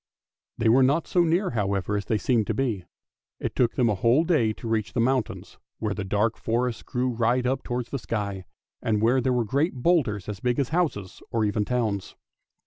They were not so near, however, as they seemed to be; it took them a whole day to reach the mountains, where the dark forests grew right up towards the sky, and where there were great boulders as big as houses, or even towns.